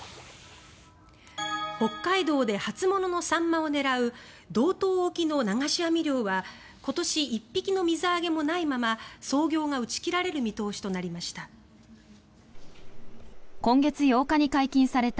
北海道で初物のサンマを狙う道東沖の流し網漁は今年１匹の水揚げもないまま操業が打ち切られる見通しとなりました。